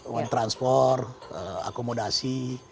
uang transport akomodasi